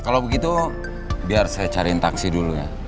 kalau begitu biar saya cariin taksi dulu ya